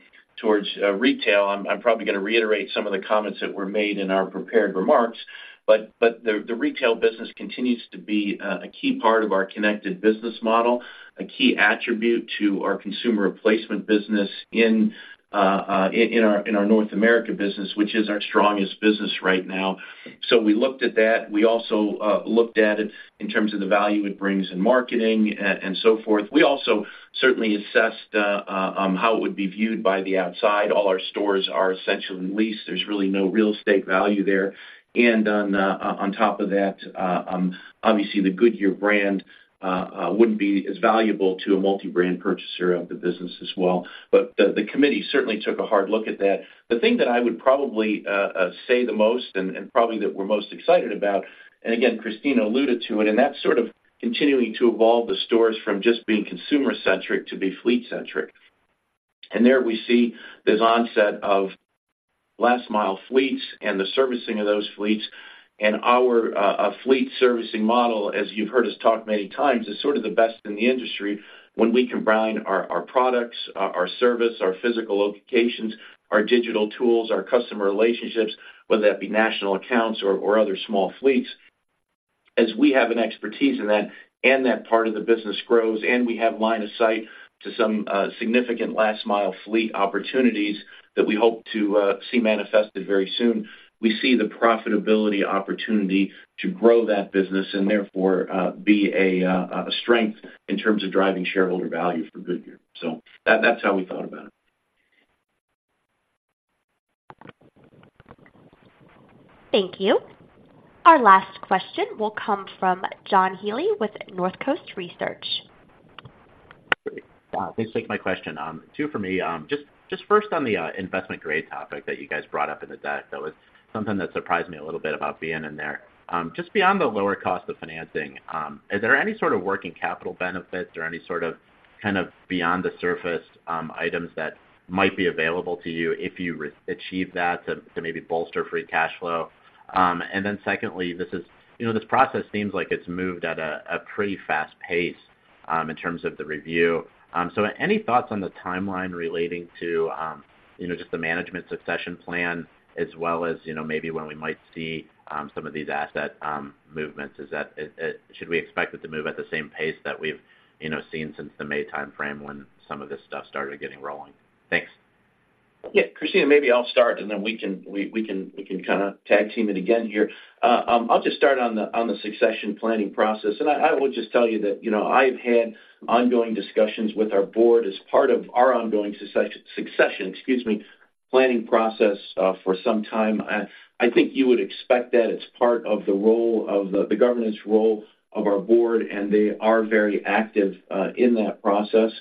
I'm probably gonna reiterate some of the comments that were made in our prepared remarks, but the retail business continues to be a key part of our connected business model, a key attribute to our consumer replacement business in our North America business, which is our strongest business right now. So we looked at that. We also looked at it in terms of the value it brings in marketing and so forth. We also certainly assessed how it would be viewed by the outside. All our stores are essentially leased. There's really no real estate value there. On top of that, obviously, the Goodyear brand wouldn't be as valuable to a multi-brand purchaser of the business as well. The committee certainly took a hard look at that. The thing that I would probably say the most and probably that we're most excited about, and again, Christina alluded to it, and that's sort of continuing to evolve the stores from just being consumer centric to be fleet centric. There we see this onset of last mile fleets and the servicing of those fleets. Our fleet servicing model, as you've heard us talk many times, is sort of the best in the industry when we combine our products, our service, our physical locations, our digital tools, our customer relationships, whether that be national accounts or other small fleets. As we have an expertise in that, and that part of the business grows, and we have line of sight to some significant last mile fleet opportunities that we hope to see manifested very soon, we see the profitability opportunity to grow that business and therefore be a strength in terms of driving shareholder value for Goodyear. So that, that's how we thought about it. Thank you. Our last question will come from John Healy with Northcoast Research. Great. Thanks. My question, two for me. Just first on the investment grade topic that you guys brought up in the deck, that was something that surprised me a little bit about being in there. Just beyond the lower cost of financing, is there any sort of working capital benefits or any sort of, kind of, beyond the surface, items that might be available to you if you re-achieve that to, to maybe bolster free cash flow? And then secondly, this is... You know, this process seems like it's moved at a pretty fast pace, in terms of the review. So any thoughts on the timeline relating to, you know, just the management succession plan, as well as, you know, maybe when we might see, some of these asset, movements? Is that, should we expect it to move at the same pace that we've, you know, seen since the May timeframe when some of this stuff started getting rolling? Thanks. Yeah, Christina, maybe I'll start, and then we can kind of tag team it again here. I'll just start on the succession planning process, and I will just tell you that, you know, I've had ongoing discussions with our board as part of our ongoing succession, excuse me, planning process for some time. I think you would expect that as part of the role of the governance role of our board, and they are very active in that process.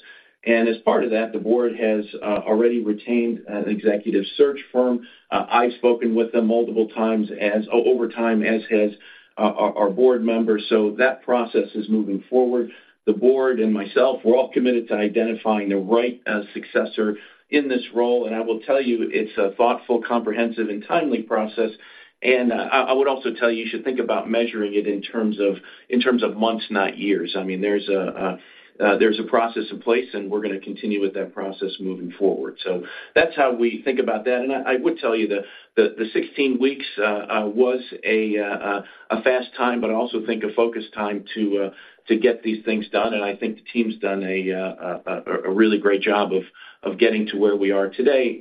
And as part of that, the board has already retained an executive search firm. I've spoken with them multiple times over time, as has our board members, so that process is moving forward. The board and myself, we're all committed to identifying the right successor in this role, and I will tell you, it's a thoughtful, comprehensive, and timely process. I would also tell you, you should think about measuring it in terms of months, not years. I mean, there's a process in place, and we're gonna continue with that process moving forward. So that's how we think about that. And I would tell you the 16 weeks was a fast time, but I also think a focused time to get these things done, and I think the team's done a really great job of getting to where we are today.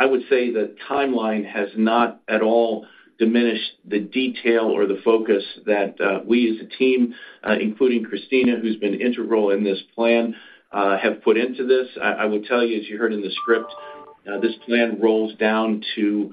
I would say the timeline has not at all diminished the detail or the focus that we as a team, including Christina, who's been integral in this plan, have put into this. I will tell you, as you heard in the script, this plan rolls down to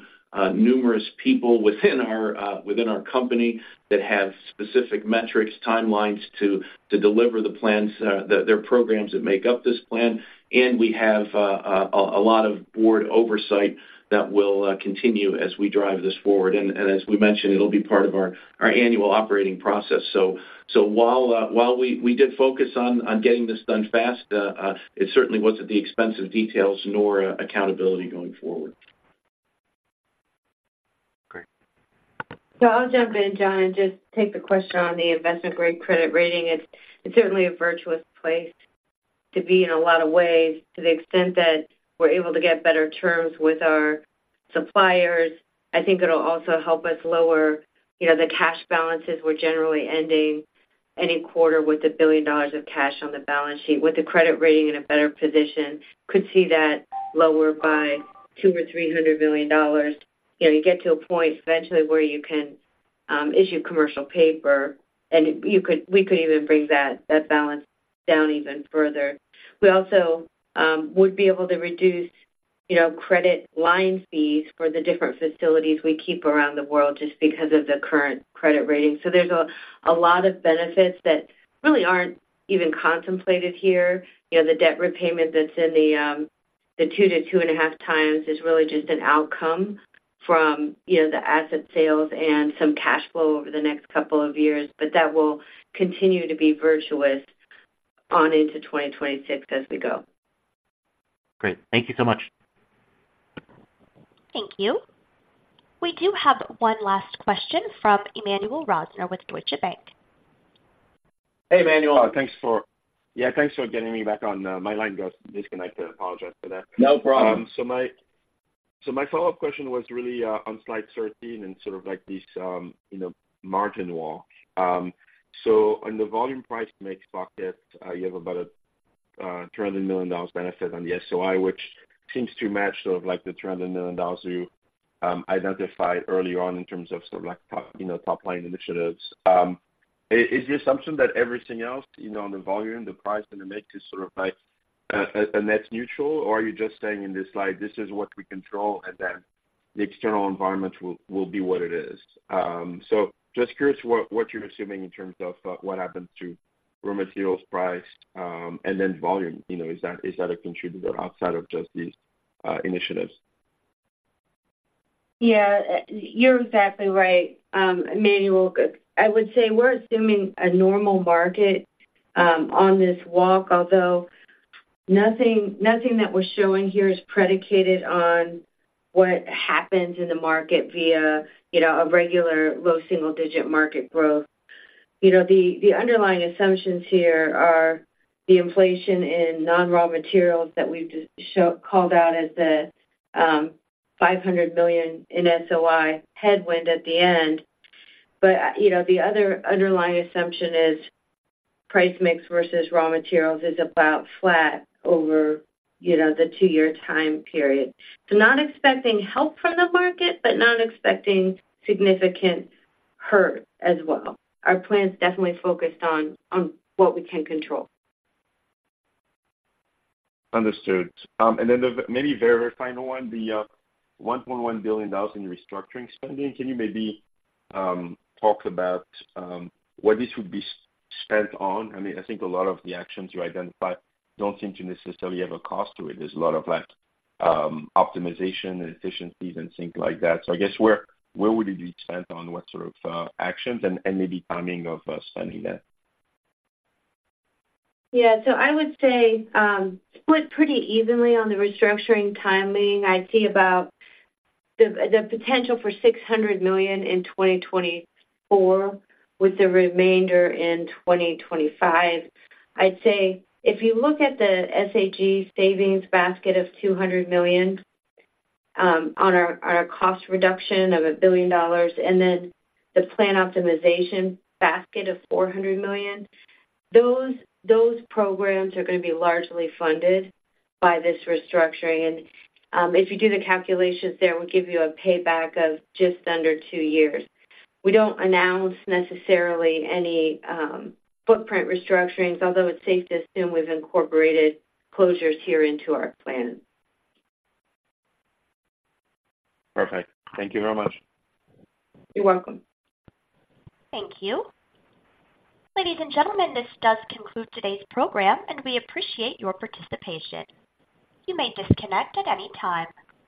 numerous people within our company that have specific metrics, timelines to deliver the plans, their programs that make up this plan. We have a lot of board oversight that will continue as we drive this forward. As we mentioned, it'll be part of our annual operating process. So while we did focus on getting this done fast, it certainly wasn't at the expense of details nor accountability going forward. ... So I'll jump in, John, and just take the question on the investment-grade credit rating. It's certainly a virtuous place to be in a lot of ways, to the extent that we're able to get better terms with our suppliers. I think it'll also help us lower, you know, the cash balances. We're generally ending any quarter with $1 billion of cash on the balance sheet, with the credit rating in a better position, could see that lower by $200 million-$300 million. You know, you get to a point eventually where you can issue commercial paper, and you could, we could even bring that balance down even further. We also would be able to reduce, you know, credit line fees for the different facilities we keep around the world just because of the current credit rating. So there's a lot of benefits that really aren't even contemplated here. You know, the debt repayment that's in the 2-2.5 times is really just an outcome from, you know, the asset sales and some cash flow over the next couple of years. But that will continue to be virtuous on into 2026 as we go. Great. Thank you so much. Thank you. We do have one last question from Emmanuel Rosner with Deutsche Bank. Hey, Emmanuel. Thanks for— Yeah, thanks for getting me back on. My line got disconnected. I apologize for that. No problem. So my follow-up question was really on slide 13 and sort of like this, you know, margin walk. So on the volume price mix bucket, you have about a $300 million benefit on the SOI, which seems to match sort of like the $300 million you identified early on in terms of sort of like, you know, top line initiatives. Is the assumption that everything else, you know, on the volume, the price, and the mix is sort of like a net neutral, or are you just saying in this slide, this is what we control, and then the external environment will be what it is? So just curious what you're assuming in terms of what happens to raw materials price, and then volume. You know, is that, is that a contributor outside of just these initiatives? Yeah, you're exactly right, Emmanuel. I would say we're assuming a normal market on this walk, although nothing, nothing that we're showing here is predicated on what happens in the market via, you know, a regular low single-digit market growth. You know, the underlying assumptions here are the inflation in non-raw materials that we've just called out as the $500 million in SOI headwind at the end. But, you know, the other underlying assumption is price mix versus raw materials is about flat over, you know, the two-year time period. So not expecting help from the market, but not expecting significant hurt as well. Our plan is definitely focused on what we can control. Understood. And then the maybe very, very final one, the $1.1 billion in restructuring spending. Can you maybe talk about what this would be spent on? I mean, I think a lot of the actions you identified don't seem to necessarily have a cost to it. There's a lot of like optimization and efficiencies and things like that. So I guess, where would it be spent on what sort of actions and maybe timing of spending that? Yeah. So I would say, split pretty evenly on the restructuring timing. I'd see about the potential for $600 million in 2024, with the remainder in 2025. I'd say if you look at the SAG savings basket of $200 million, on our cost reduction of $1 billion, and then the plan optimization basket of $400 million, those programs are gonna be largely funded by this restructuring. And, if you do the calculations there, we'll give you a payback of just under two years. We don't announce necessarily any footprint restructurings, although it's safe to assume we've incorporated closures here into our plan. Perfect. Thank you very much. You're welcome. Thank you. Ladies and gentlemen, this does conclude today's program, and we appreciate your participation. You may disconnect at any time.